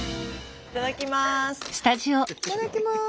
いただきます。